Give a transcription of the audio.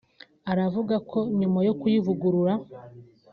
aravuga ko nyuma yo kuyivugurura